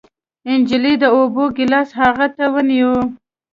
نجلۍ د اوبو ګېلاس هغه ته ونيو.